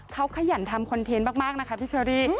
เขาขยันทำคอนเทนต์มากนะคะพี่เชอรี่